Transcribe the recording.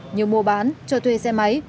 nhiều mùa bán cho thuê xe máy